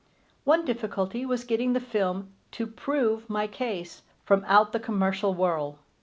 One difficulty was getting the film to prove my case from out the commercial whirl.